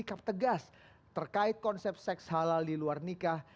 sikap tegas terkait konsep seks halal di luar nikah